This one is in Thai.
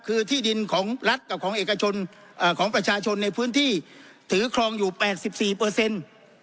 คือที่ดินของรัฐกับของเอกชนของประชาชนในพื้นที่ถือครองอยู่แปดสิบสี่เปอร์เซ็นต์